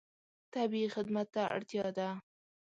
طبیعي خدمت ته اړتیا ده.